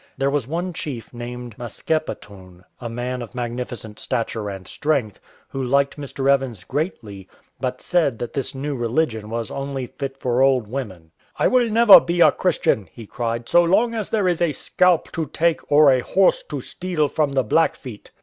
There was one chief named Maskepetoon, a man of magnificent stature and strength, who liked Mr, Evans greatly, but said that this new religion was only fit for old women. " I will never be a Christian,'''* he cried, " so long as there is a scalp to take or a horse to steal from the Blackfeet.'